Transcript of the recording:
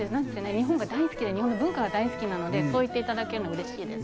日本が大好きで日本の文化が大好きなので、そう言っていただけるのもうれしいです。